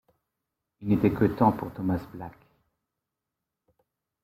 Il n’était que temps pour Thomas Black.